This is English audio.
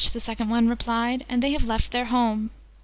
the Second one replied. 'And they have left their home!'